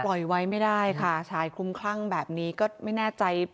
ไว้ไม่ได้ค่ะชายคลุมคลั่งแบบนี้ก็ไม่แน่ใจ